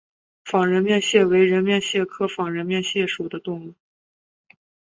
仿人面蟹为人面蟹科仿人面蟹属的动物。